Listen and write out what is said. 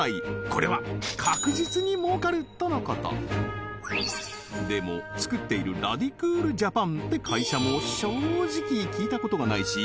これは確実に儲かるとのことでも作っているラディクールジャパンって会社も正直聞いたことがないし